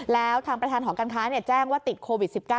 แล้วทางประธานหอการค้าแจ้งว่าติดโควิด๑๙